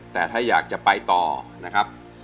แต่ถ้าอยากจะไปต่อนะครับ